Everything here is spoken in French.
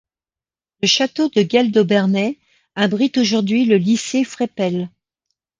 Le château de Gail d'Obernai abrite aujourd'hui le lycée Freppel.